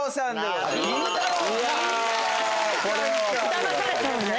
だまされたわね！